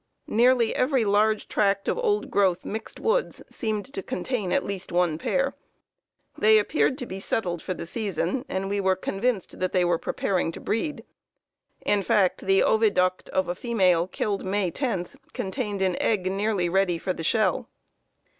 Nearly every large tract of old growth mixed woods seemed to contain at least one pair. They appeared to be settled for the season, and we were convinced that they were preparing to breed. In fact, the oviduct of a female, killed May 10, contained an egg nearly ready for the shell.